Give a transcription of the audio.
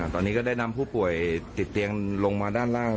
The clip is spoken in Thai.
ตอนนี้ก็ได้นำผู้ป่วยติดเตียงลงมาด้านล่าง